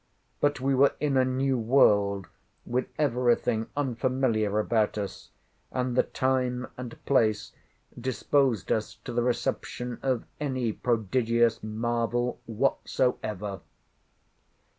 But we were in a new world, with everything unfamiliar about us, and the time and place disposed us to the reception of any prodigious marvel whatsoever.